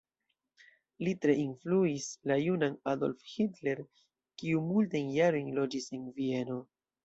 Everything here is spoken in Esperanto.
Li tre influis la junan Adolf Hitler, kiu multajn jarojn loĝis en Vieno.